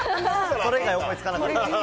それ以外思いつかなかった。